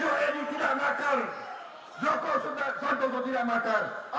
imam suhaid tidak makar